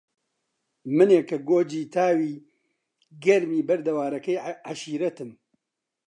منێ کە گۆچی تاوی گەرمی بەردەوارەکەی عەشیرەتم